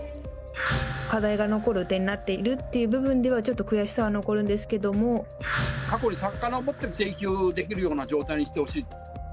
課題が残る点になっているという点では、ちょっと悔しさは残過去にさかのぼって請求できるような状態にしてほしいです。